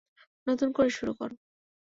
নতুন করে শুরু করো।